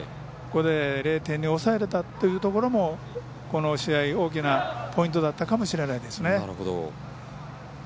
０点に抑えられたというのもこの試合大きなポイントだったかもしれないですね。